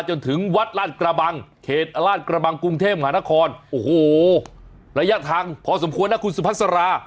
จนถึงวัดลาดกระบังเขตลาดกระบังกรุงเทพหานครโอ้โหระยะทางพอสมควรนะคุณสุภาษารา